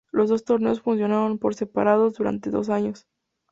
Los dos torneos funcionaron por separado durante dos años.